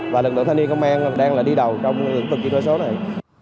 và lực lượng thanh niên công an đang đi đầu trong lực lượng chuyển đổi số này